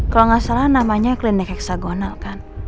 kalau nggak salah namanya klinik heksagonal kan